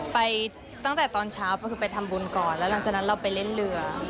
ไปตั้งแต่ตอนเช้าก็คือไปทำบุญก่อนแล้วหลังจากนั้นเราไปเล่นเรือ